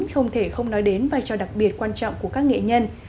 không thể không nói đến vai trò đặc biệt quan trọng của các nghệ nhân